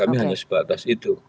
kami hanya sebatas itu